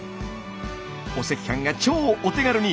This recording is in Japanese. お赤飯が超お手軽に。